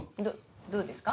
どうですか？